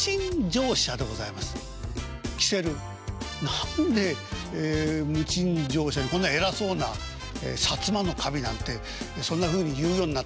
何で無賃乗車でこんな偉そうな摩守なんてそんなふうに言うようになったかと。